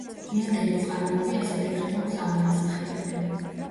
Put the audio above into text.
გვაინდელი წყაროები ასეთ ერთეულს აღარ ასახელებენ.